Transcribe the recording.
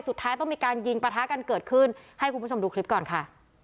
สุดท้ายต้องมีการยิงประทะกันเกิดขึ้นให้คุณผู้ชมดูคลิปก่อนค่ะ